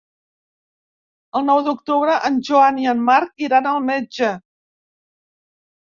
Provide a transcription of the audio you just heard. El nou d'octubre en Joan i en Marc iran al metge.